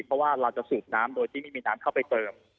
เพราะว่าเราจะสูบน้ำโดยที่ไม่มีน้ำเข้าไปเติม